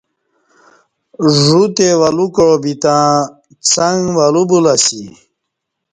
ژوتے ولو کاع بِتں څنگ ولو بُلہ اسی